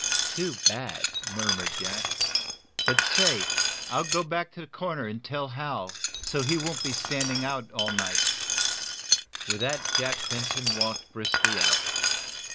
"Too bad," murmured Jack. "But say, I'll go back to the corner, and tell Hal, so he won't be standing on the corner all night." With that Jack Benson walked briskly out.